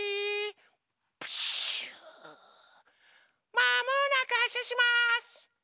まもなくはっしゃします。